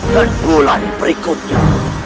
dan bulan berikutnya